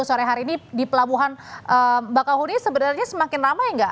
sore hari ini di pelabuhan bakau huni sebenarnya semakin ramai enggak